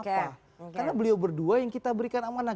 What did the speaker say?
karena beliau berdua yang kita berikan amanah